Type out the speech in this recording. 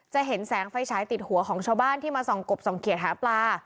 จะเห็นแสงไฟฉายติดหัวของชาวบ้านที่มาส่องกบส่องเขียดหาปลา